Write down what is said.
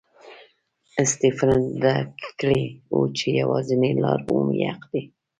سټېفن درک کړې وه چې یوازینۍ لار عمومي حق دی.